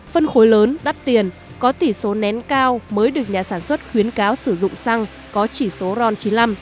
phân khối lớn đắt tiền có tỷ số nén cao mới được nhà sản xuất khuyến cáo sử dụng xăng có chỉ số ron chín mươi năm